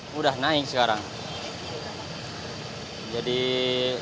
sudah naik sekarang jadi rp lima empat ratus